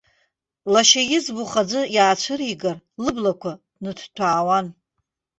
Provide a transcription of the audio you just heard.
Лашьа иӡбахә аӡәы иаацәыригар, лыблақәа ныҭҭәаауан.